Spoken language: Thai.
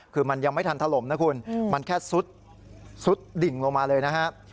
คือมันยังไม่ทันถล่มนะคุณมันแค่ซุดดิ่งลงมาเลยนะครับ